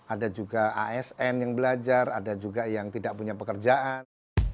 ada juga asn yang belajar ada juga yang tidak punya pekerjaan